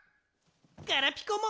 ガラピコも。